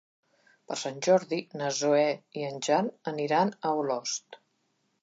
Per Sant Jordi na Zoè i en Jan aniran a Olost.